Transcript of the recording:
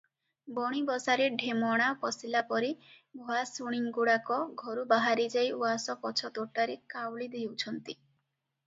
ବଣି ବସାରେ ଢେମଣା ପଶିଲାପରି ଭୁଆସୁଣୀଗୁଡ଼ାକ ଘରୁ ବାହାରିଯାଇ ଉଆସ ପଛ ତୋଟାରେ କାଉଳି ହେଉଛନ୍ତି ।